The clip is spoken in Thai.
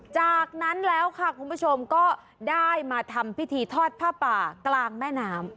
จากนั้นแล้วค่ะคุณผู้ชมก็ได้มาทำพิธีทอดผ้าป่ากลางแม่น้ำ